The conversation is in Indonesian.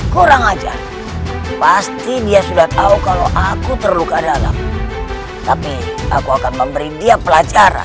kurang aja pasti dia sudah tahu kalau aku terluka dalam tapi aku akan memberi dia pelajaran